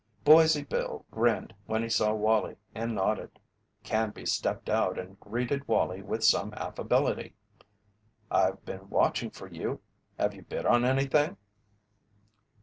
Boise Bill grinned when he saw Wallie and nodded. Canby stepped out and greeted Wallie with some affability. "I've been watching for you. Have you bid on anything?"